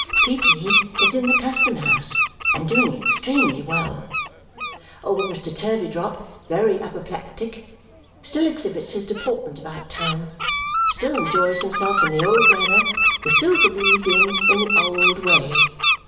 Peepy is in the Custom House, and doing extremely well. Old Mr. Turveydrop, very apoplectic, still exhibits his deportment about town, still enjoys himself in the old manner, is still believed in in the old way.